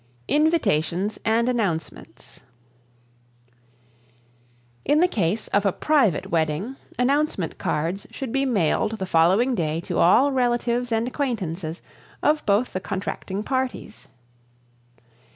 Invitations and Announcements. In the case of a private wedding announcement cards should be mailed the following day to all relatives and acquaintances of both the contracting parties.